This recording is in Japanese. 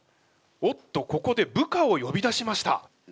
おっとここで部下をよび出しました。